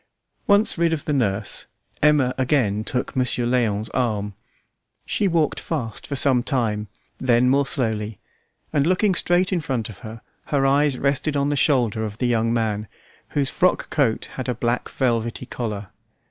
Once rid of the nurse, Emma again took Monsieur Léon's arm. She walked fast for some time, then more slowly, and looking straight in front of her, her eyes rested on the shoulder of the young man, whose frock coat had a black velvety collar.